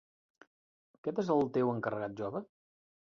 Aquest és el teu encarregat jove?